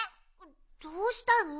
どうしたの？